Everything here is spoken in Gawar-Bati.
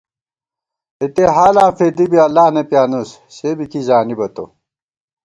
اِتےحالاں فېدِی بی اللہ نہ پیانُوس سےبی کی زانِبہ تو